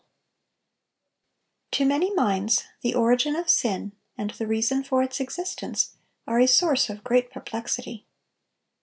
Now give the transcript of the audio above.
] To many minds, the origin of sin and the reason for its existence are a source of great perplexity.